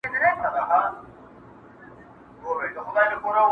• مور د درملو هڅه کوي خو ګټه نه کوي هېڅ,